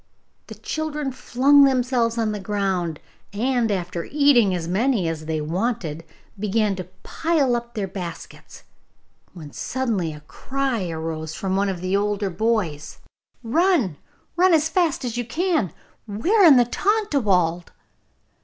The children flung themselves down on the ground, and, after eating as many as they wanted, began to pile up their baskets, when suddenly a cry arose from one of the older boys: 'Run, run as fast as you can! We are in the Tontlawald!